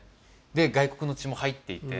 で外国の血も入っていて。